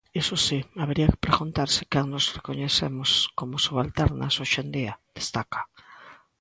Iso si, habería que preguntarse quen nos recoñecemos como subalternas, hoxe en día, destaca.